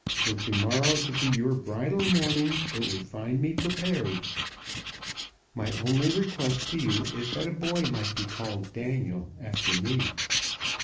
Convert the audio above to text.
Were to morrow to be your bridal morning it would find me prepared. My only request to you is that a boy might be called Daniel after me.